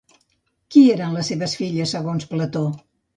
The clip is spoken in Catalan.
Qui eren les seves filles, segons Plató?